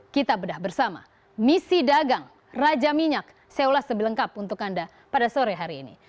kita bedah bersama misi dagang raja minyak saya ulas sebelengkap untuk anda pada sore hari ini